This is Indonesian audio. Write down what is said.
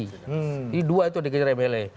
jadi dua itu yang dikejar mle